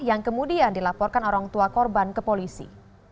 yang kemudian dilaporkan orang tua korban ke polisi